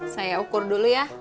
saya ukur dulu ya